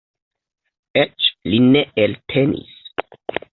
Eĉ li ne eltenis.